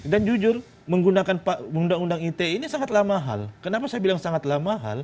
dan jujur menggunakan undang undang ite ini sangatlah mahal kenapa saya bilang sangatlah mahal